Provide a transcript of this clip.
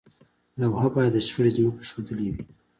لوحه باید د شخړې ځمکه ښودلې وي.